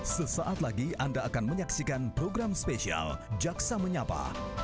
sesaat lagi anda akan menyaksikan program spesial jaksa menyapa